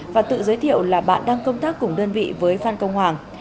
và tự giới thiệu là bạn đang công tác cùng đơn vị với phan công hoàng